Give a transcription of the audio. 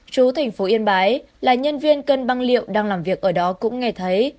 chú thành phố yên bái là nhân viên cân băng liệu đang làm việc ở đó cũng nghe thấy